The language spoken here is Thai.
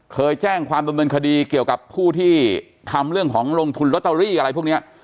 เคยแจ้งความดำเนินคดีเกี่ยวกับผู้ที่ทำเรื่องของลงทุนลอตเตอรี่อะไรพวกนี้